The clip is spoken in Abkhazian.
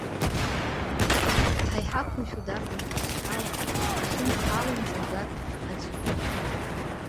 Ҳа иҳақәымшәо дарбан ҟазшьала, ҳахьынҳалом зынӡак аӡәы итәы…